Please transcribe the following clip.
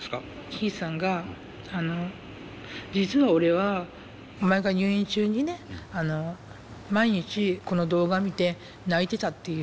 ヒイさんが実は俺はお前が入院中にね毎日この動画見て泣いてたっていうふうに。